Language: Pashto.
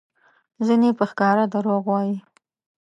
ځینې په ښکاره دروغ وایي؛